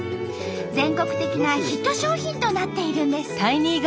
全国的なヒット商品となっているんです。